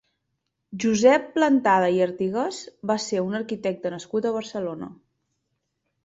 Josep Plantada i Artigas va ser un arquitecte nascut a Barcelona.